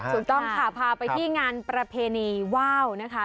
ถูกต้องค่ะพาไปที่งานประเพณีว่าวนะคะ